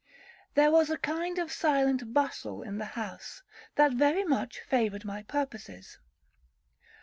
There was a kind of silent bustle in the house, that very much favoured my purposes.